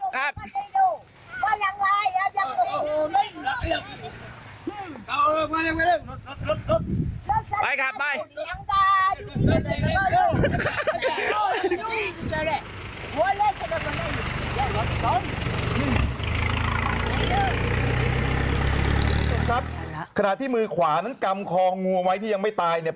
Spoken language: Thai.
คุณผู้ชมครับขณะที่มือขวานั้นกำคองูไว้ที่ยังไม่ตายเนี่ย